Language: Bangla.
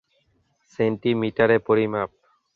সেন্টিমিটারে পরিমাপ.